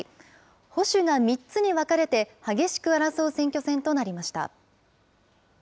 保守が３つに分かれて激しく争う選挙戦となりました。